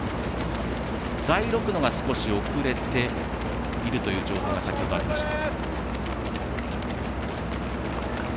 大六野が少し遅れているという情報が先ほどありました。